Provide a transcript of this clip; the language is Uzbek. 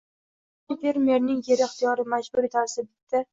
— bir nechta «fermer»ning yeri «ixtiyoriy-majburiy» tarzda bitta